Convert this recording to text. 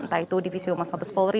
entah itu divisi umum sabah bespolri